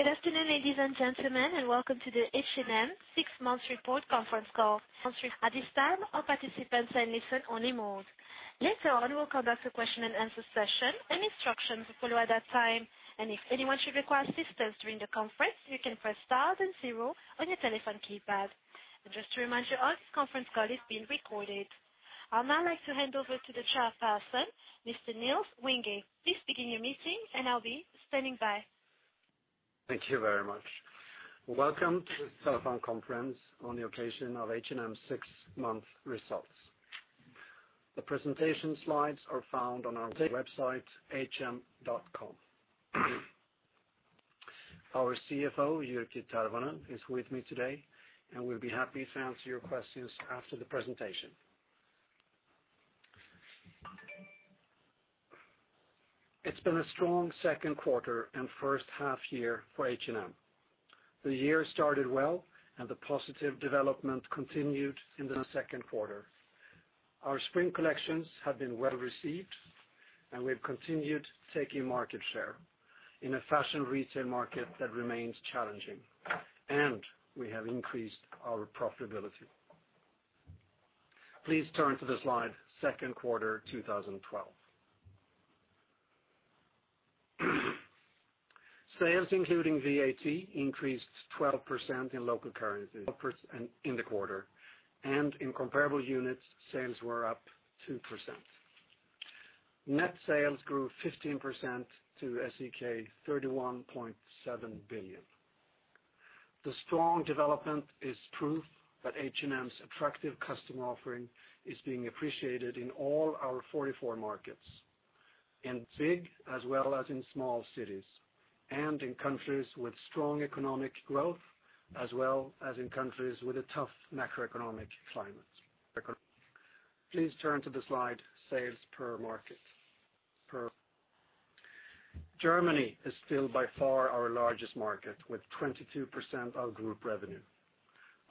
Good afternoon, ladies and gentlemen, and welcome to the H&M six-month report conference call. At this time, all participants are in listen-only mode. Later on, we will conduct a question-and-answer session, and instructions will follow at that time. If anyone should require assistance during the conference, you can press star 0 on your telephone keypad. Just to remind you, all this conference call is being recorded. I'll now like to hand over to the chairperson, Mr. Nils Vinge. Please begin your meeting, and I'll be standing by. Thank you very much. Welcome to the telephone conference on the occasion of H&M six-month results. The presentation slides are found on our website, h&m.com. Our CFO, Jyrki Tervonen, is with me today, and we'll be happy to answer your questions after the presentation. It's been a strong second quarter and first half year for H&M. The year started well, and the positive development continued into the second quarter. Our spring collections have been well-received, and we've continued taking market share in a fashion retail market that remains challenging. We have increased our profitability. Please turn to the slide, second quarter 2012. Sales, including VAT, increased 12% in local currency in the quarter. In comparable units, sales were up 2%. Net sales grew 15% to SEK 31.7 billion. The strong development is proof that H&M's attractive customer offering is being appreciated in all our 44 markets, in big as well as in small cities, and in countries with strong economic growth, as well as in countries with a tough macroeconomic climate. Please turn to the slide, sales per market per Germany is still by far our largest market, with 22% of group revenue.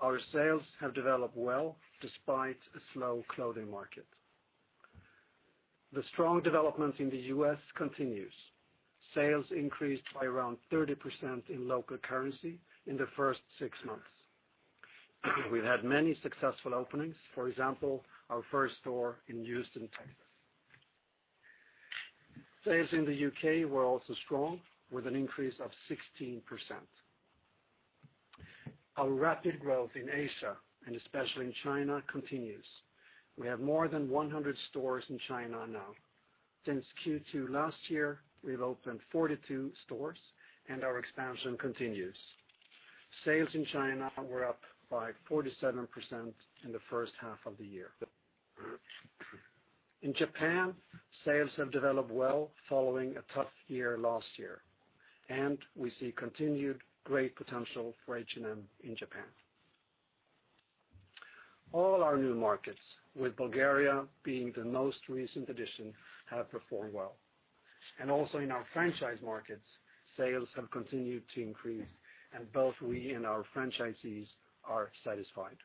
Our sales have developed well despite a slow clothing market. The strong development in the U.S. continues. Sales increased by around 30% in local currency in the first six months. We've had many successful openings, for example, our first store in Houston, Texas. Sales in the U.K. were also strong, with an increase of 16%. Our rapid growth in Asia, and especially in China, continues. We have more than 100 stores in China now. Since Q2 last year, we've opened 42 stores, and our expansion continues. Sales in China were up by 47% in the first half of the year. In Japan, sales have developed well following a tough year last year, and we see continued great potential for H&M in Japan. All our new markets, with Bulgaria being the most recent addition, have performed well. Also in our franchise markets, sales have continued to increase, and both we and our franchisees are satisfied.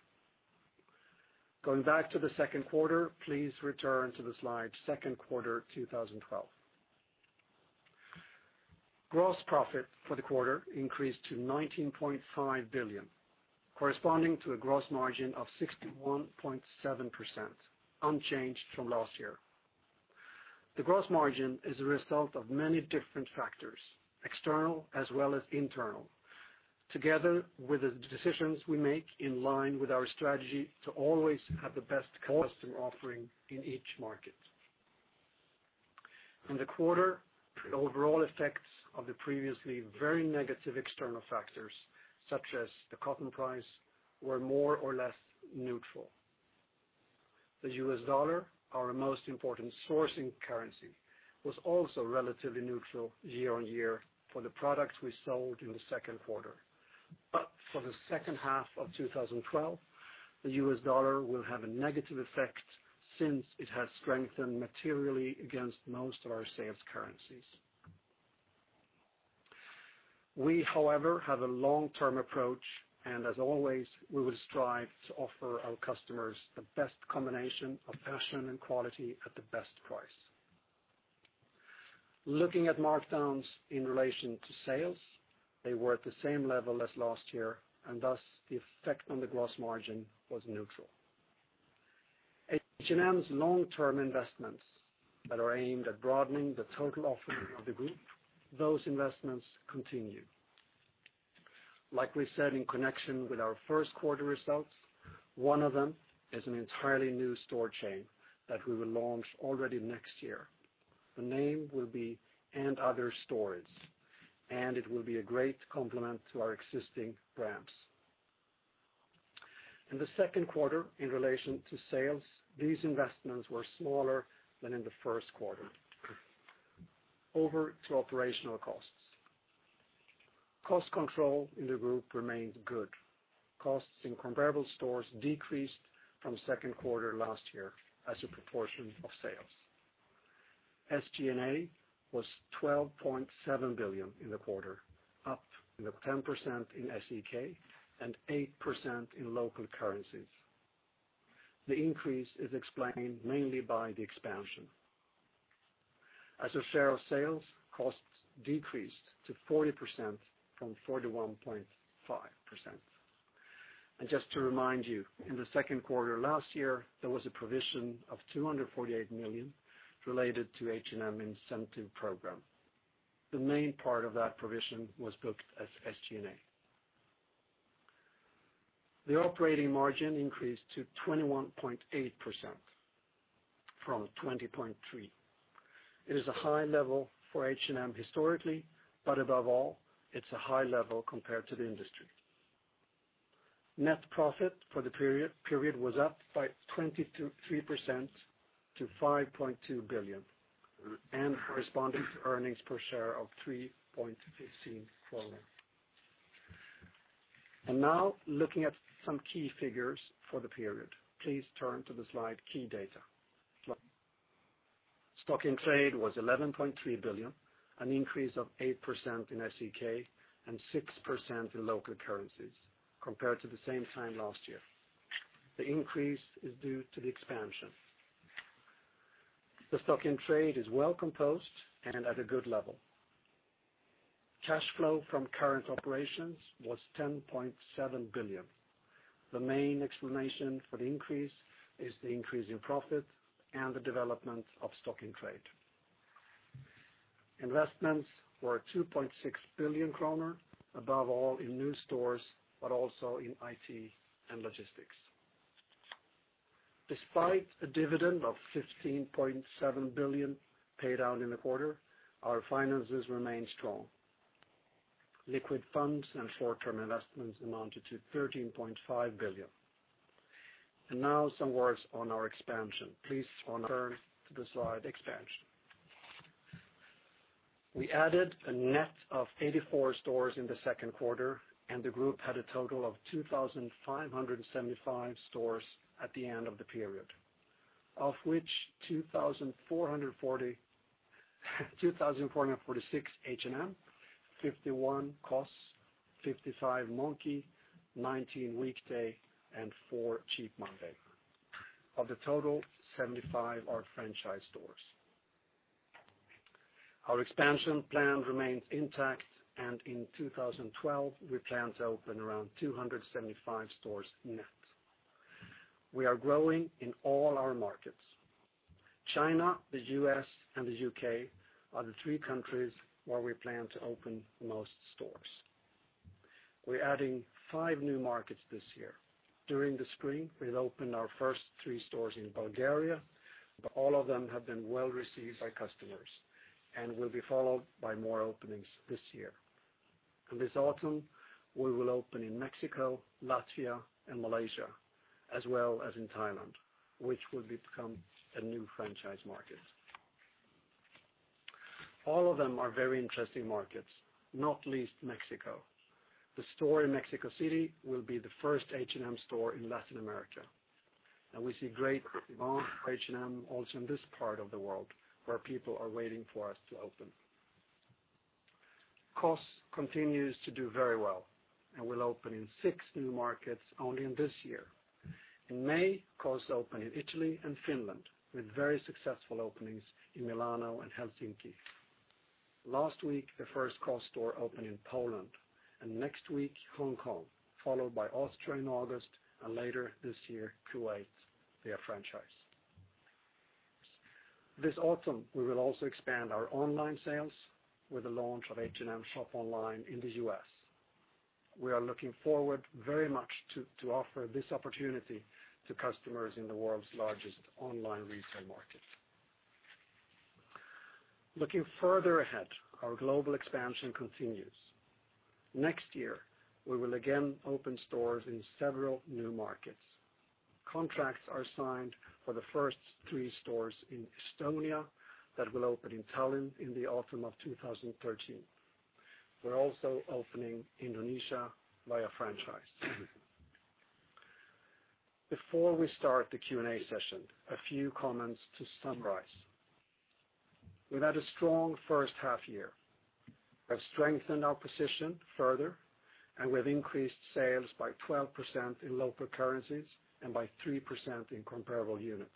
Going back to the second quarter, please return to the slide, second quarter 2012. Gross profit for the quarter increased to 19.5 billion, corresponding to a gross margin of 61.7%, unchanged from last year. The gross margin is a result of many different factors, external as well as internal, together with the decisions we make in line with our strategy to always have the best customer offering in each market. In the quarter, the overall effects of the previously very negative external factors, such as the cotton price, were more or less neutral. The US dollar, our most important sourcing currency, was also relatively neutral year-on-year for the products we sold in the second quarter. For the second half of 2012, the US dollar will have a negative effect since it has strengthened materially against most of our sales currencies. We, however, have a long-term approach, and as always, we will strive to offer our customers the best combination of fashion and quality at the best price. Looking at markdowns in relation to sales, they were at the same level as last year, and thus the effect on the gross margin was neutral. H&M's long-term investments that are aimed at broadening the total offering of the group, those investments continue. Like we said in connection with our first quarter results, one of them is an entirely new store chain that we will launch already next year. The name will be & Other Stories, and it will be a great complement to our existing brands. In the second quarter, in relation to sales, these investments were smaller than in the first quarter. Over to operational costs. Cost control in the group remained good. Costs in comparable stores decreased from second quarter last year as a proportion of sales. SG&A was 12.7 billion in the quarter, up 10% in SEK and 8% in local currencies. The increase is explained mainly by the expansion. As a share of sales, costs decreased to 40% from 41.5%. Just to remind you, in the second quarter last year, there was a provision of 248 million related to H&M Incentive Program. The main part of that provision was booked as SG&A. The operating margin increased to 21.8% from 20.3%. It is a high level for H&M historically, but above all, it's a high level compared to the industry. Net profit for the period was up by 23% to 5.2 billion, and corresponding earnings per share of 3.15. Now looking at some key figures for the period. Please turn to the slide, key data. Stock in trade was 11.3 billion, an increase of 8% in SEK and 6% in local currencies compared to the same time last year. The increase is due to the expansion. The stock in trade is well composed and at a good level. Cash flow from current operations was 10.7 billion. The main explanation for the increase is the increase in profit and the development of stock in trade. Investments were 2.6 billion kronor, above all in new stores, but also in IT and logistics. Despite a dividend of 15.7 billion paid out in the quarter, our finances remain strong. Liquid funds and short-term investments amounted to 13.5 billion. Now some words on our expansion. Please turn to the slide, expansion. We added a net of 84 stores in the second quarter, and the group had a total of 2,575 stores at the end of the period, of which 2,446 H&M, 51 COS, 55 Monki, 19 Weekday, and four Cheap Monday. Of the total, 75 are franchise stores. Our expansion plan remains intact. In 2012, we plan to open around 275 stores net. We are growing in all our markets. China, the U.S., and the U.K. are the three countries where we plan to open the most stores. We're adding five new markets this year. During the spring, we opened our first three stores in Bulgaria. All of them have been well received by customers and will be followed by more openings this year. This autumn, we will open in Mexico, Latvia, and Malaysia, as well as in Thailand, which will become a new franchise market. All of them are very interesting markets, not least Mexico. The store in Mexico City will be the first H&M store in Latin America, and we see great demand for H&M also in this part of the world, where people are waiting for us to open. COS continues to do very well and will open in six new markets only in this year. In May, COS opened in Italy and Finland with very successful openings in Milano and Helsinki. Last week, the first COS store opened in Poland. Next week, Hong Kong, followed by Austria in August, and later this year, Kuwait, via franchise. This autumn, we will also expand our online sales with the launch of H&M shop online in the U.S. We are looking forward very much to offer this opportunity to customers in the world's largest online retail market. Looking further ahead, our global expansion continues. Next year, we will again open stores in several new markets. Contracts are signed for the first three stores in Estonia that will open in Tallinn in the autumn of 2013. We're also opening Indonesia via franchise. Before we start the Q&A session, a few comments to summarize. We've had a strong first half year. We have strengthened our position further. We have increased sales by 12% in local currencies and by 3% in comparable units.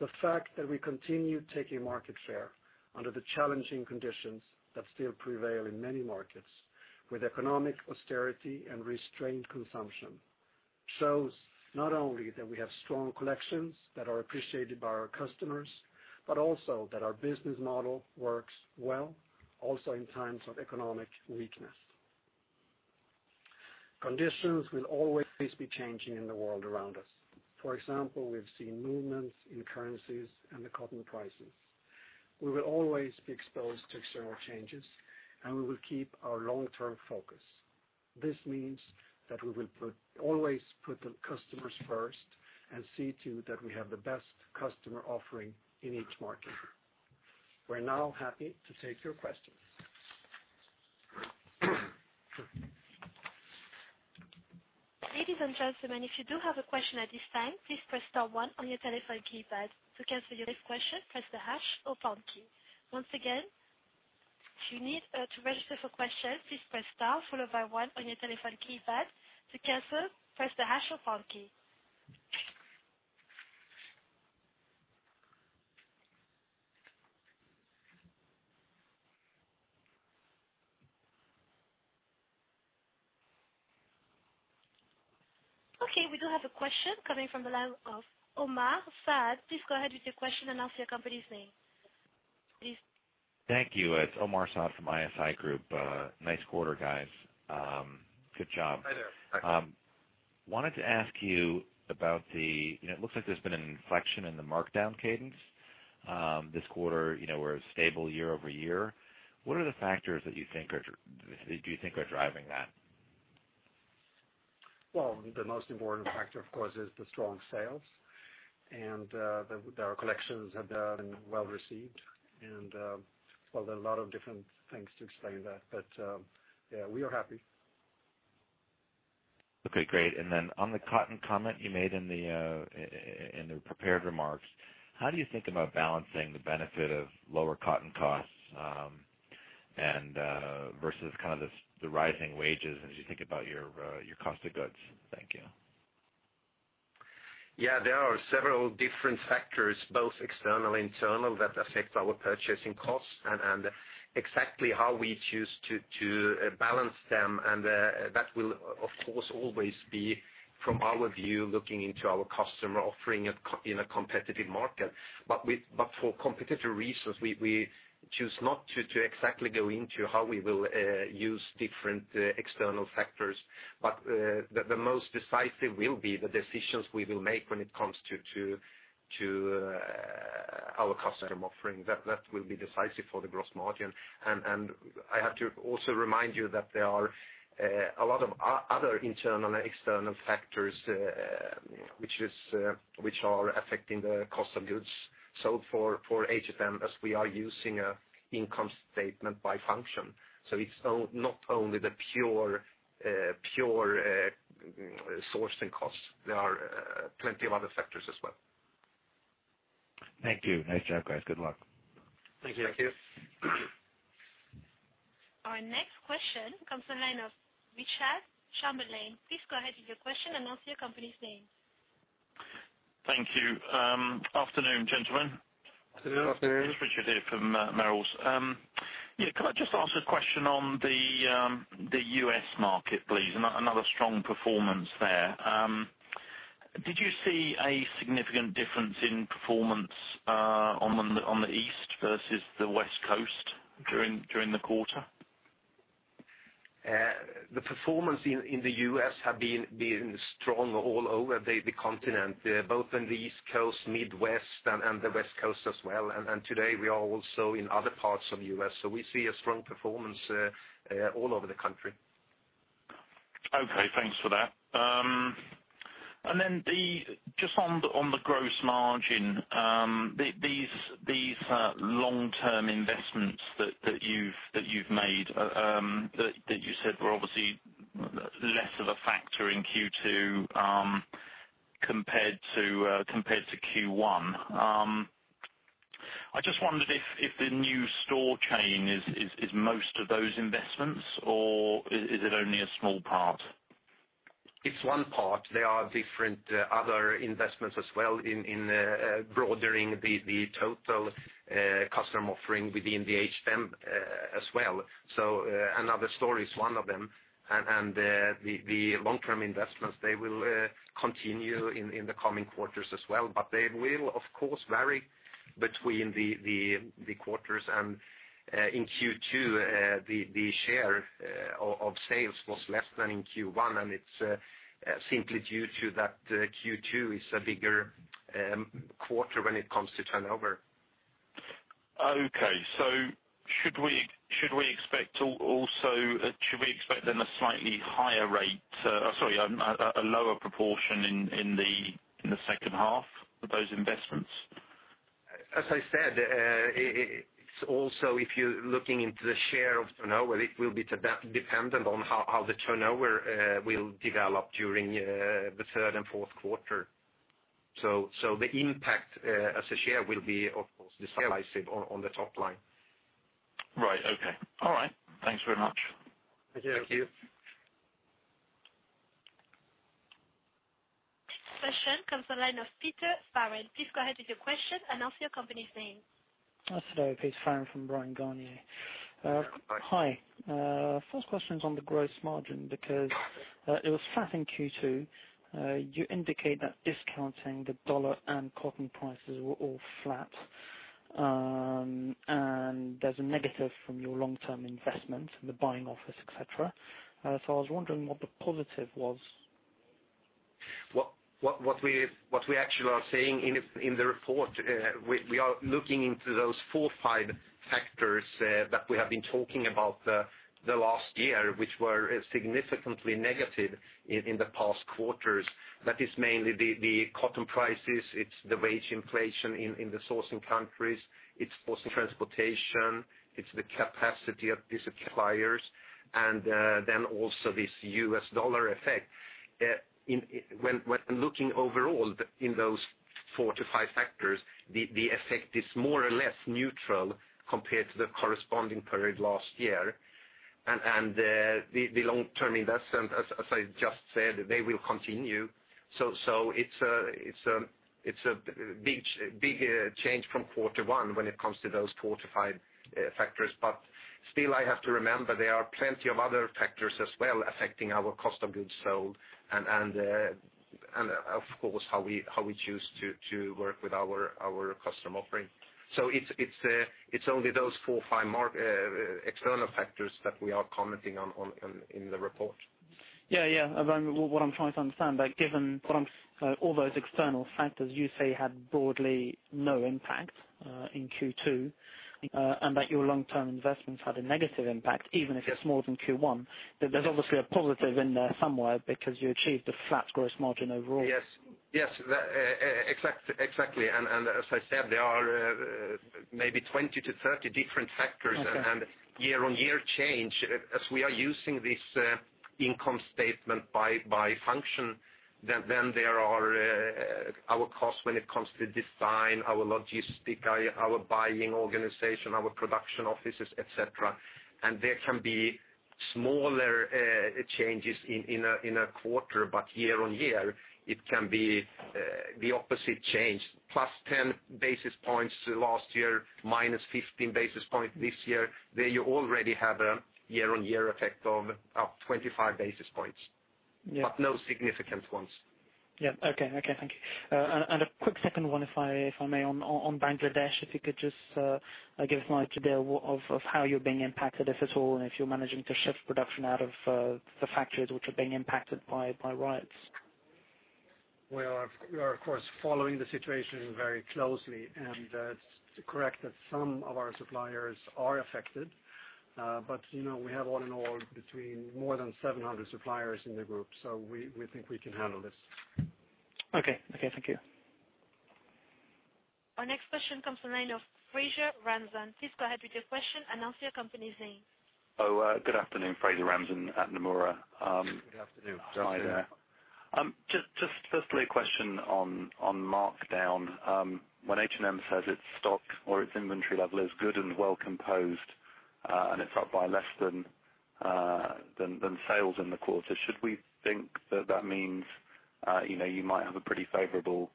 The fact that we continue taking market share under the challenging conditions that still prevail in many markets with economic austerity and restrained consumption shows not only that we have strong collections that are appreciated by our customers, but also that our business model works well, also in times of economic weakness. Conditions will always be changing in the world around us. For example, we've seen movements in currencies and the cotton prices. We will always be exposed to external changes. We will keep our long-term focus. This means that we will always put the customers first and see to it that we have the best customer offering in each market. We're now happy to take your questions. Ladies and gentlemen, if you do have a question at this time, please press star one on your telephone keypad. To cancel your question, press the hash or pound key. Once again, if you need to register for questions, please press star, followed by one on your telephone keypad. To cancel, press the hash or pound key. Okay, we do have a question coming from the line of Omar Saad. Please go ahead with your question and announce your company's name. Please. Thank you. It's Omar Saad from ISI Group. Nice quarter, guys. Good job. Hi there. It looks like there's been an inflection in the markdown cadence. This quarter, we're stable year-over-year. What are the factors that you think are driving that? The most important factor, of course, is the strong sales, our collections have done well-received, there are a lot of different things to explain that. Yeah, we are happy. Okay, great. On the cotton comment you made in the prepared remarks, how do you think about balancing the benefit of lower cotton costs versus the rising wages as you think about your cost of goods? Thank you. Yeah, there are several different factors, both external and internal, that affect our purchasing costs and exactly how we choose to balance them. That will, of course, always be from our view, looking into our customer offering in a competitive market. For competitive reasons, we choose not to exactly go into how we will use different external factors. The most decisive will be the decisions we will make when it comes to our customer offering. That will be decisive for the gross margin. I have to also remind you that there are a lot of other internal and external factors which are affecting the cost of goods. For H&M, as we are using an income statement by function. It's not only the pure sourcing costs. There are plenty of other factors as well. Thank you. Nice job, guys. Good luck. Thank you. Thank you. Our next question comes from the line of Richard Chamberlain. Please go ahead with your question announce your company's name. Thank you. Afternoon, gentlemen. Afternoon. Afternoon. It's Richard here from Merrill's. Could I just ask a question on the U.S. market, please? Another strong performance there. Did you see a significant difference in performance on the East versus the West Coast during the quarter? The performance in the U.S. have been strong all over the continent, both in the East Coast, Midwest, and the West Coast as well. Today we are also in other parts of U.S. We see a strong performance all over the country. Okay. Thanks for that. Then, just on the gross margin, these long-term investments that you've made, that you said were obviously less of a factor in Q2 compared to Q1. I just wondered if the new store chain is most of those investments, or is it only a small part? It's one part. There are different other investments as well in broadening the total customer offering within the H&M as well. Another store is one of them, and the long-term investments, they will continue in the coming quarters as well, but they will, of course, vary between the quarters. In Q2, the share of sales was less than in Q1, and it's simply due to that Q2 is a bigger quarter when it comes to turnover. Okay. Should we expect then a slightly lower proportion in the second half of those investments? As I said, it's also if you're looking into the share of turnover, it will be dependent on how the turnover will develop during the third and fourth quarter. The impact as a share will be, of course, decisive on the top line. Right. Okay. All right. Thanks very much. Thank you. Thank you. Next question comes the line of Peter Faurholt. Please go ahead with your question, announce your company's name. Good afternoon. Peter Faurholt from Bryan, Garnier. Hi. Hi. First question is on the gross margin because it was flat in Q2. You indicate that discounting the US dollar and cotton prices were all flat. There's a negative from your long-term investment in the buying office, et cetera. I was wondering what the positive was. What we actually are saying in the report, we are looking into those four, five factors that we have been talking about the last year, which were significantly negative in the past quarters. That is mainly the cotton prices, it is the wage inflation in the sourcing countries, it is also transportation, it is the capacity of these suppliers, and then also this US dollar effect. When looking overall in those four to five factors, the effect is more or less neutral compared to the corresponding period last year. The long-term investment, as I just said, they will continue. It is a big change from quarter one when it comes to those four to five factors. Still, I have to remember there are plenty of other factors as well affecting our cost of goods sold and, of course, how we choose to work with our customer offering. It is only those four, five external factors that we are commenting on in the report. Yeah. What I am trying to understand, given all those external factors you say had broadly no impact in Q2, and that your long-term investments had a negative impact, even if it is more than Q1, that there is obviously a positive in there somewhere because you achieved a flat gross margin overall. Yes. Exactly. As I said, there are maybe 20 to 30 different factors. Okay Year-on-year change as we are using this income statement by function. There are our costs when it comes to design, our logistics, our buying organization, our production offices, et cetera. There can be smaller changes in a quarter, but year-on-year, it can be the opposite change. +10 basis points last year, -15 basis points this year. There you already have a year-on-year effect of 25 basis points. Yeah. No significant ones. Yeah. Okay, thank you. A quick second one if I may, on Bangladesh, if you could just give us an idea of how you're being impacted, if at all, and if you're managing to shift production out of the factories which are being impacted by riots. We are, of course, following the situation very closely, it's correct that some of our suppliers are affected. We have all in all between more than 700 suppliers in the group, we think we can handle this. Okay. Thank you. Our next question comes from the line of Fraser Ramzan. Please go ahead with your question, announce your company's name. Good afternoon, Fraser Ramzan at Nomura. Good afternoon, Fraser. Hi there. Just firstly, a question on markdown. When H&M says its stock or its inventory level is good and well composed, and it's up by less than sales in the quarter, should we think that that means you might have a pretty favorable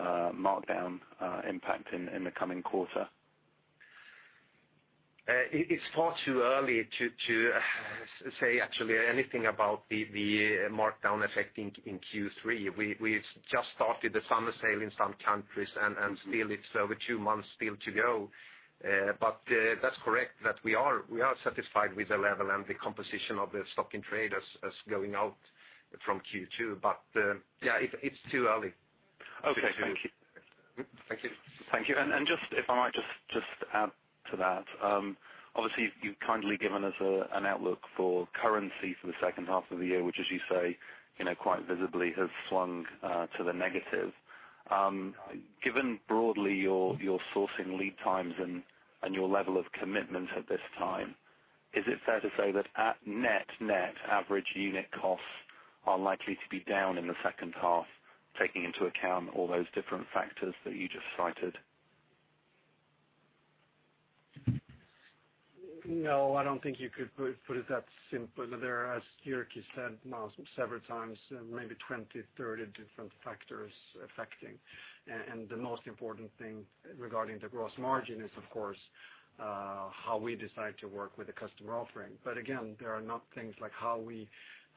markdown impact in the coming quarter? It is far too early to say actually anything about the markdown effect in Q3. We've just started the summer sale in some countries, still it's over two months still to go. That's correct that we are satisfied with the level and the composition of the stock in trade as going out from Q2. Yeah, it's too early. Okay. Thank you. Thank you. Thank you. Just, if I might just add to that, obviously, you've kindly given us an outlook for currency for the second half of the year, which as you say, quite visibly has swung to the negative. Given broadly your sourcing lead times and your level of commitment at this time, is it fair to say that at net average unit costs are likely to be down in the second half, taking into account all those different factors that you just cited? No, I don't think you could put it that simple. There are, as Jyrki said several times, maybe 20, 30 different factors affecting. The most important thing regarding the gross margin is, of course, how we decide to work with the customer offering. Again, there are not things like how we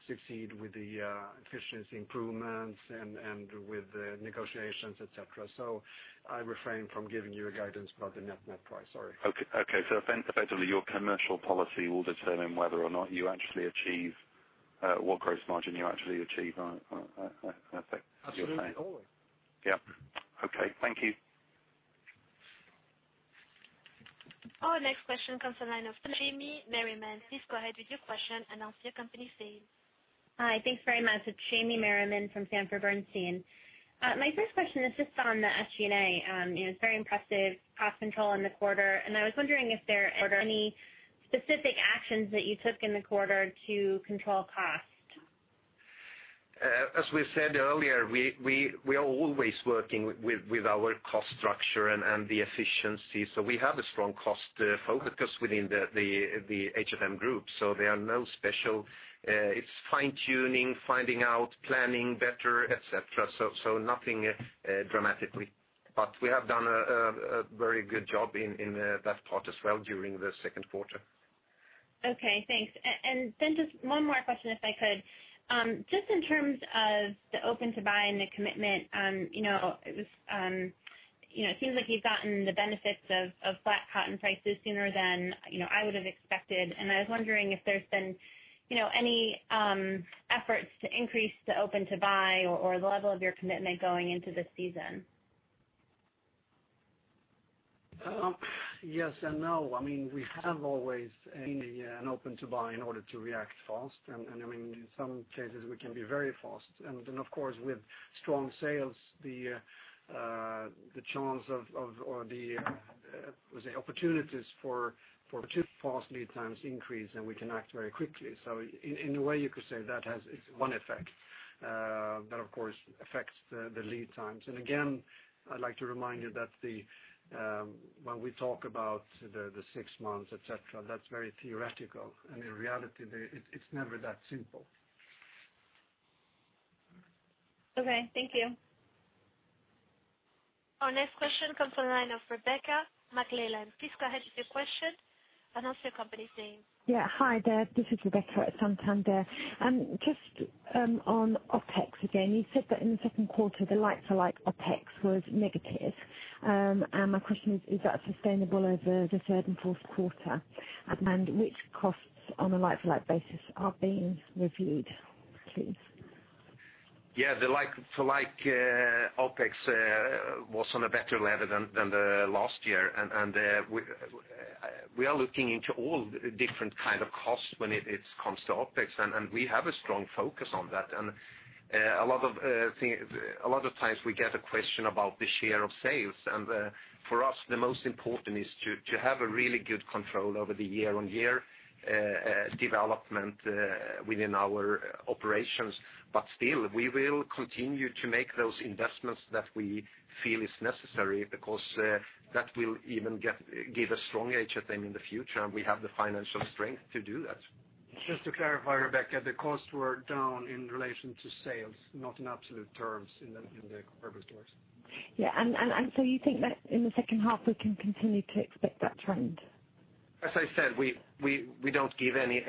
succeed with the efficiency improvements and with the negotiations, et cetera. I refrain from giving you a guidance about the net price. Sorry. Okay. Effectively, your commercial policy will determine whether or not you actually achieve what gross margin you actually achieve. Is that fair to say? Absolutely, always. Yeah. Okay. Thank you. Our next question comes the line of James Merriman. Please go ahead with your question, announce your company's name. Hi. Thanks very much. It is Jamie Merriman from Sanford Bernstein. My first question is just on the SG&A. It was very impressive cost control in the quarter, and I was wondering if there are any specific actions that you took in the quarter to control cost. As we said earlier, we are always working with our cost structure and the efficiency. We have a strong cost focus within the H&M group. There are no special. It is fine-tuning, finding out, planning better, et cetera. Nothing dramatically. We have done a very good job in that part as well during the second quarter. Okay, thanks. Then just one more question, if I could. Just in terms of the open-to-buy and the commitment, it seems like you've gotten the benefits of flat cotton prices sooner than I would have expected. I was wondering if there's been any efforts to increase the open-to-buy or the level of your commitment going into this season. Yes and no. We have always an open-to-buy in order to react fast, and in some cases, we can be very fast. Then, of course, with strong sales, the chance of, or the opportunities for fast lead times increase, and we can act very quickly. In a way, you could say that is one effect. That, of course, affects the lead times. Again, I'd like to remind you that when we talk about the six months, et cetera, that's very theoretical. In reality, it's never that simple. Okay, thank you. Our next question comes from the line of Rebecca McClellan. Please go ahead with your question, announce your company's name. Yeah. Hi there. This is Rebecca at Santander. Just on OpEx again, you said that in the second quarter, the like-for-like OpEx was negative. My question is that sustainable over the third and fourth quarter? Which costs on a like-for-like basis are being reviewed, please? Yeah, the like-for-like OpEx was on a better level than the last year. We are looking into all different kinds of costs when it comes to OpEx, and we have a strong focus on that. A lot of times we get a question about the share of sales. For us, the most important is to have a really good control over the year-on-year development within our operations. Still, we will continue to make those investments that we feel is necessary because that will even give a strong H&M in the future, and we have the financial strength to do that. Just to clarify, Rebecca, the costs were down in relation to sales, not in absolute terms in the comparable stores. Yeah. You think that in the second half, we can continue to expect that trend? As I said, we don't give any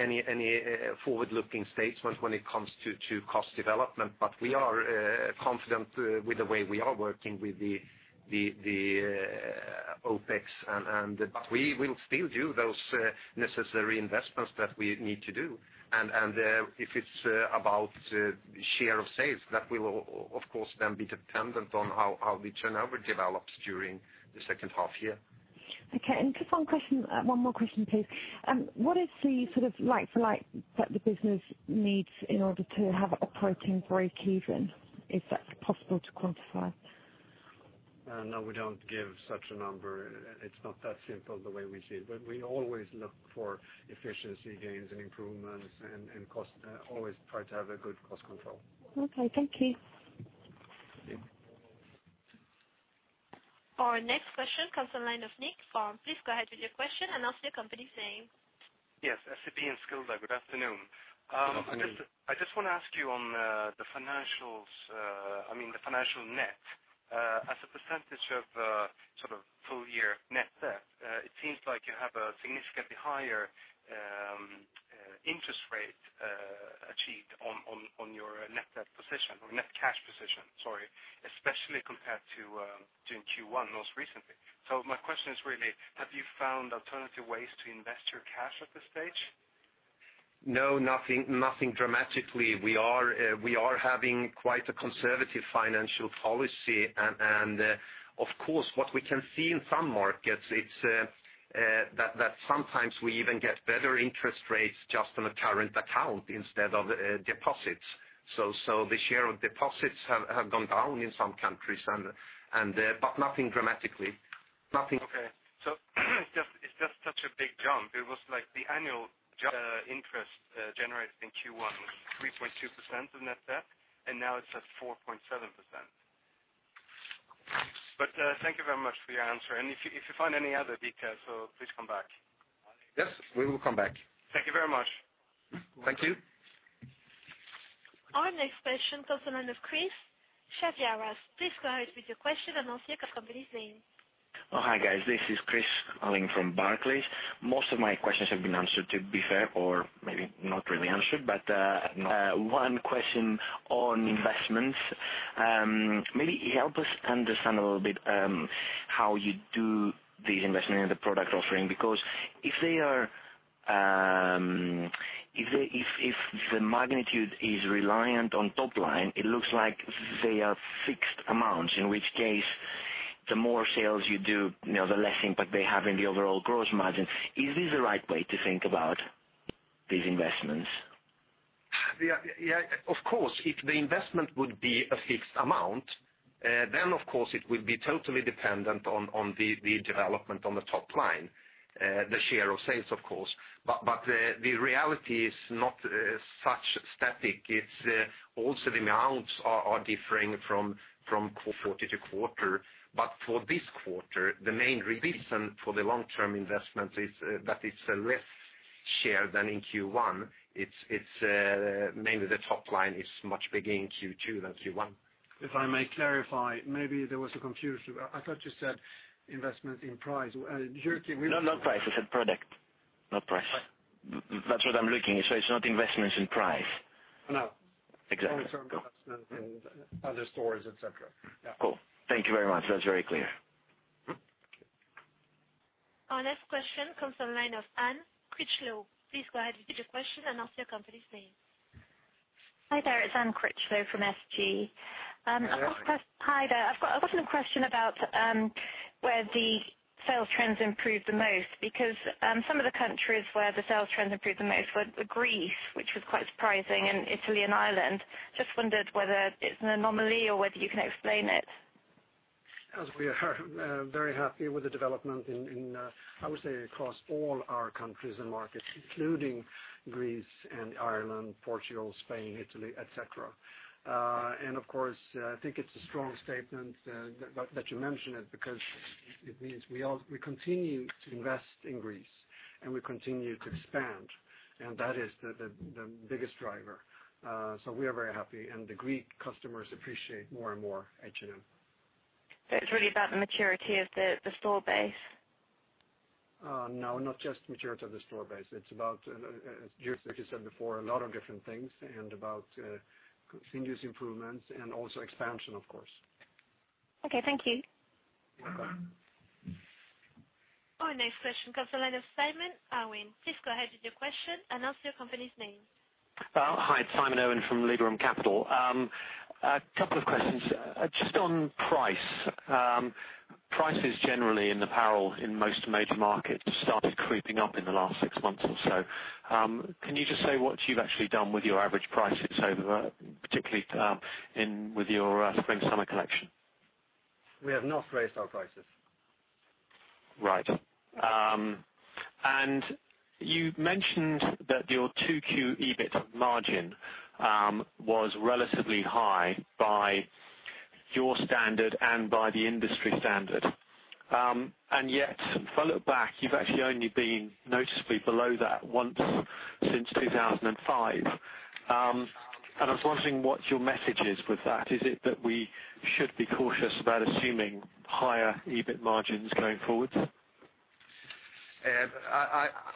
forward-looking statements when it comes to cost development, we are confident with the way we are working with the OpEx. We will still do those necessary investments that we need to do. If it's about share of sales, that will of course then be dependent on how the turnover develops during the second half year. Okay. Just one more question, please. What is the like for like that the business needs in order to have operating breakeven? Is that possible to quantify? No, we don't give such a number. It's not that simple the way we see it, but we always look for efficiency gains and improvements, and always try to have a good cost control. Okay, thank you. Our next question comes from the line of Nicklas Fhärm. Please go ahead with your question, announce your company's name. Yes, SEB Enskilda. Good afternoon. Good afternoon. I just want to ask you on the financials, I mean the financial net. As a percentage of full-year net debt, it seems like you have a significantly higher interest rate achieved on your net debt position or net cash position, sorry, especially compared to in Q1 most recently. My question is really, have you found alternative ways to invest your cash at this stage? No, nothing dramatically. We are having quite a conservative financial policy, and of course, what we can see in some markets, it's that sometimes we even get better interest rates just on a current account instead of deposits. The share of deposits have gone down in some countries, but nothing dramatically. Okay. It's just such a big jump. It was like the annual interest generated in Q1 was 3.2% in net debt, and now it's at 4.7%. Thank you very much for your answer. If you find any other details, please come back. Yes, we will come back. Thank you very much. Thank you. Our next question comes the line of Christodoulos Chaviaras. Please go ahead with your question, announce your company's name. Hi, guys. This is Chris calling from Barclays. Most of my questions have been answered to be fair, or maybe not really answered. One question on investments. Maybe help us understand a little bit how you do these investments in the product offering, because if the magnitude is reliant on top line, it looks like they are fixed amounts, in which case, the more sales you do, the less impact they have in the overall gross margin. Is this the right way to think about these investments? Of course, if the investment would be a fixed amount, then of course it would be totally dependent on the development on the top line, the share of sales, of course. The reality is not such static. It's also the amounts are differing from quarter to quarter. For this quarter, the main reason for the long-term investment is that it's a less share than in Q1. It's mainly the top line is much bigger in Q2 than Q1. If I may clarify, maybe there was a confusion. I thought you said investment in price. No, not price. I said product, not price. That's what I'm looking at, it's not investments in price. No. Exactly. Long-term investment in other stores, et cetera. Yeah. Cool. Thank you very much. That's very clear. Our next question comes from the line of Anne Critchlow. Please go ahead with your question, announce your company's name. Hi there. It's Anne Critchlow from SG. Hello. Hi there. I've got a question about where the sales trends improved the most. Some of the countries where the sales trends improved the most were Greece, which was quite surprising, and Italy and Ireland. Just wondered whether it's an anomaly or whether you can explain it? We are very happy with the development in, I would say, across all our countries and markets, including Greece and Ireland, Portugal, Spain, Italy, et cetera. Of course, I think it's a strong statement that you mention it because it means we continue to invest in Greece. We continue to expand, and that is the biggest driver. We are very happy, and the Greek customers appreciate more and more H&M. It's really about the maturity of the store base? No, not just maturity of the store base. It's about, as Jyrki said before, a lot of different things and about continuous improvements and also expansion, of course. Okay. Thank you. Welcome. Our next question comes the line of Simon Irwin. Please go ahead with your question, announce your company's name. Hi, Simon Irwin from Liberum Capital. A couple of questions. Just on price. Prices generally in apparel in most major markets started creeping up in the last six months or so. Can you just say what you've actually done with your average prices over, particularly with your spring-summer collection? We have not raised our prices. Right. You mentioned that your 2Q EBIT margin was relatively high by your standard and by the industry standard. Yet, if I look back, you've actually only been noticeably below that once since 2005. I was wondering what your message is with that. Is it that we should be cautious about assuming higher EBIT margins going forward?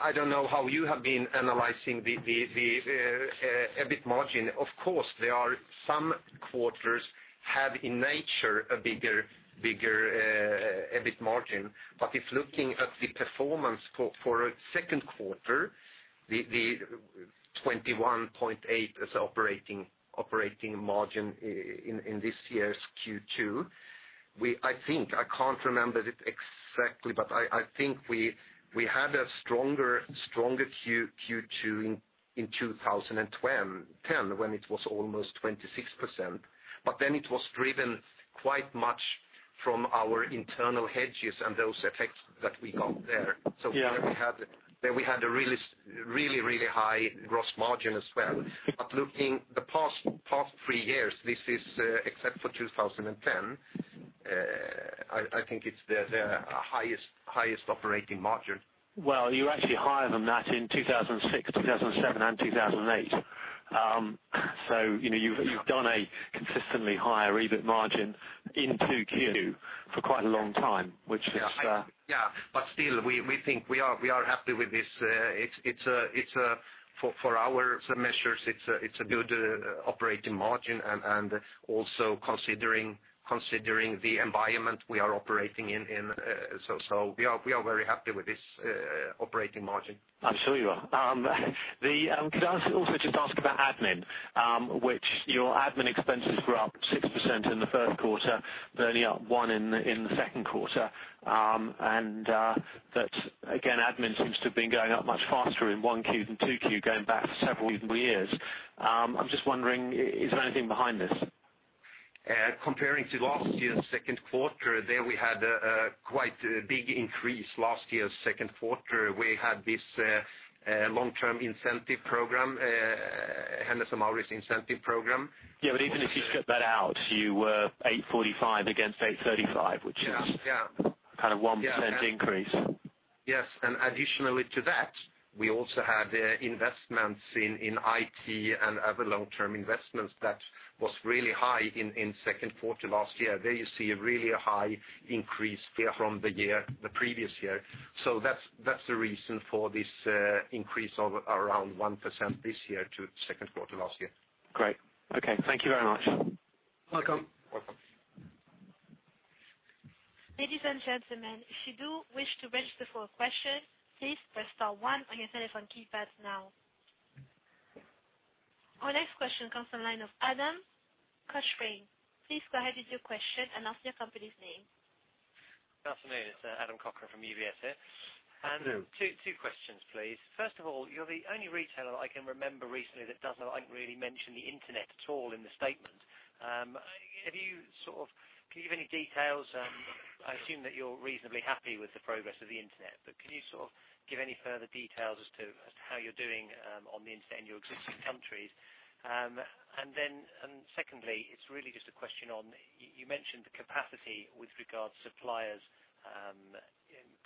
I don't know how you have been analyzing the EBIT margin. Of course, some quarters have, in nature, a bigger EBIT margin. If looking at the performance for a second quarter, the 21.8% as operating margin in this year's Q2, I think, I can't remember it exactly, but I think we had a stronger Q2 in 2010, when it was almost 26%. It was driven quite much from our internal hedges and those effects that we got there. Yeah. There we had a really high gross margin as well. Looking the past three years, this is, except for 2010, I think it's the highest operating margin. Well, you were actually higher than that in 2006, 2007, and 2008. You've done a consistently higher EBIT margin in 2Q for quite a long time, which is. Yeah. Still, we are happy with this. For our measures, it's a good operating margin, and also considering the environment we are operating in. We are very happy with this operating margin. I'm sure you are. Could I also just ask about Admin? Your Admin expenses were up 6% in the first quarter, but only up 1% in the second quarter. That, again, Admin seems to have been going up much faster in 1Q than 2Q, going back for several years. I'm just wondering, is there anything behind this? Comparing to last year's second quarter, there we had a quite big increase. Last year's second quarter, we had this long-term incentive program, Hennes & Mauritz Incentive Program. Yeah, even if you strip that out, you were 845 against 835. Yeah That is kind of a 1% increase. Additionally to that, we also had investments in IT and other long-term investments that was really high in second quarter last year. There you see a really high increase there from the previous year. That's the reason for this increase of around 1% this year to the second quarter last year. Great. Okay. Thank you very much. Welcome. Ladies and gentlemen, if you do wish to register for a question, please press star one on your telephone keypad now. Our next question comes from the line of Adam Cochrane. Please go ahead with your question, announce your company's name. Good afternoon. It's Adam Cochrane from UBS here. Hello. Two questions, please. First of all, you're the only retailer I can remember recently that doesn't really mention the internet at all in the statement. Can you give any details? I assume that you're reasonably happy with the progress of the internet, but can you give any further details as to how you're doing on the internet in your existing countries? Secondly, it's really just a question on, you mentioned the capacity with regard to suppliers,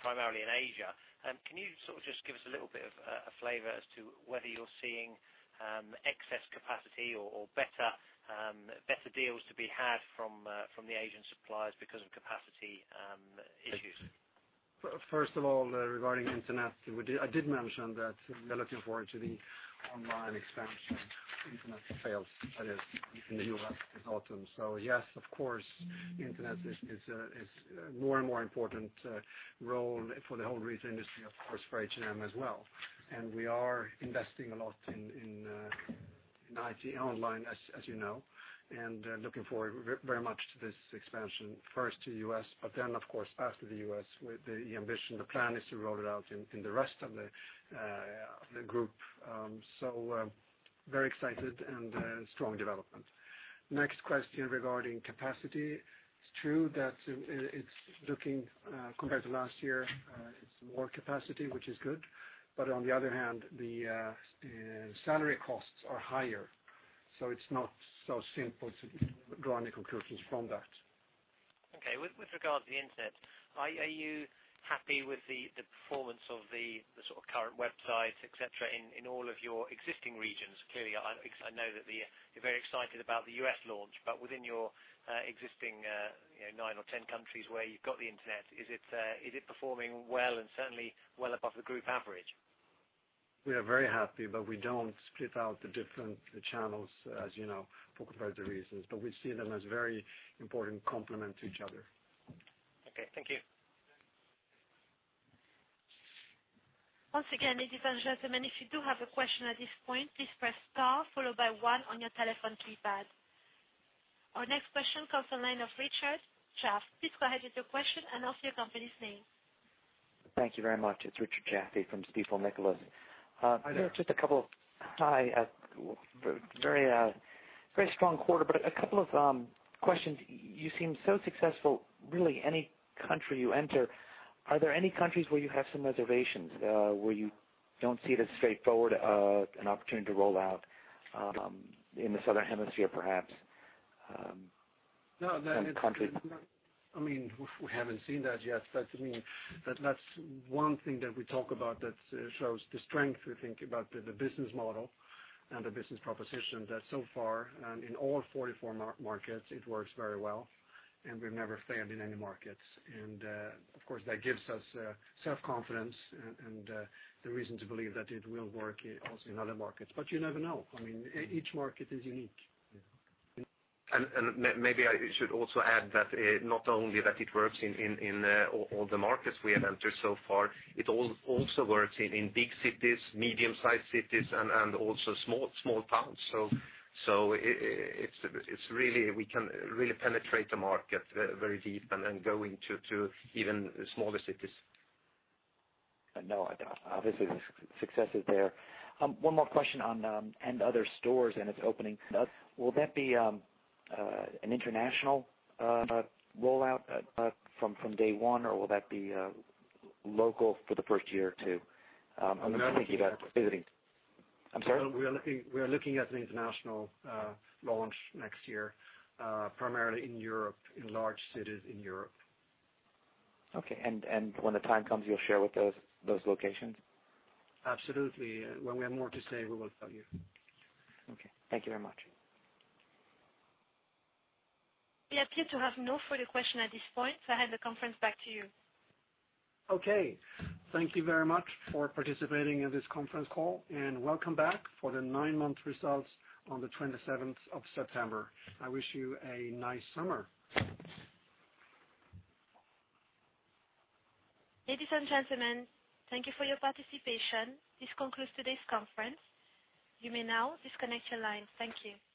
primarily in Asia. Can you just give us a little bit of a flavor as to whether you're seeing excess capacity or better deals to be had from the Asian suppliers because of capacity issues? First of all, regarding internet, I did mention that we are looking forward to the online expansion of internet sales that is in the U.S. this autumn. Yes, of course, internet is a more and more important role for the whole retail industry, of course, for H&M as well. We are investing a lot in IT online, as you know. Looking forward very much to this expansion, first to U.S., but then of course after the U.S., the ambition, the plan is to roll it out in the rest of the group. Very excited and strong development. Next question regarding capacity. It's true that it's looking, compared to last year, it's more capacity, which is good. On the other hand, the salary costs are higher. It's not so simple to draw any conclusions from that. Okay. With regard to the internet, are you happy with the performance of the current website, et cetera, in all of your existing regions? Clearly, I know that you're very excited about the U.S. launch, but within your existing nine or 10 countries where you've got the internet, is it performing well, and certainly well above the group average? We are very happy, but we don't split out the different channels, as you know, for proprietary reasons. We see them as very important complement to each other. Okay. Thank you. Once again, ladies and gentlemen, if you do have a question at this point, please press star, followed by one on your telephone keypad. Our next question comes to the line of Richard Jaffe. Please go ahead with your question and announce your company's name. Thank you very much. It's Richard Jaffe from Stifel Nicolaus. Hi there. Hi. Very strong quarter. A couple of questions. You seem so successful really any country you enter. Are there any countries where you have some reservations, where you don't see it as straightforward an opportunity to roll out, in the southern hemisphere, perhaps? No. Any country- We haven't seen that yet. That's one thing that we talk about that shows the strength, we think, about the business model and the business proposition that so far, in all 44 markets, it works very well and we've never failed in any markets. Of course, that gives us self-confidence and the reason to believe that it will work also in other markets. You never know. Each market is unique. Maybe I should also add that not only that it works in all the markets we have entered so far, it also works in big cities, medium-sized cities, and also small towns. We can really penetrate the market very deep and go into even smaller cities. No doubt. Obviously, the success is there. One more question on & Other Stories and its opening up. Will that be an international rollout from day one, or will that be local for the first year or two? I am thinking about visiting. I am sorry? We are looking at an international launch next year, primarily in Europe, in large cities in Europe. Okay. When the time comes, you will share with us those locations? Absolutely. When we have more to say, we will tell you. Okay. Thank you very much. We appear to have no further question at this point. I hand the conference back to you. Okay. Thank you very much for participating in this conference call. Welcome back for the nine-month results on the 27th of September. I wish you a nice summer. Ladies and gentlemen, thank you for your participation. This concludes today's conference. You may now disconnect your line. Thank you.